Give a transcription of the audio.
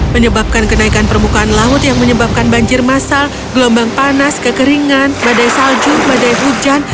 menyebabkan kenaikan permukaan laut yang menyebabkan banjir masal gelombang panas kekeringan badai salju badai hujan